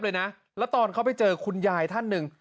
แล้วตอนเข้าไปเจอคุณยายท่านนึง